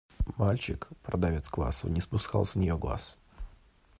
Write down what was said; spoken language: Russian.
Мальчик, продавец квасу, не спускал с нее глаз.